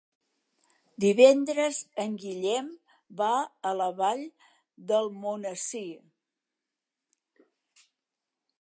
Divendres en Guillem va a la Vall d'Almonesir.